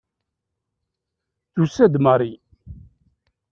Tusa-d Mary.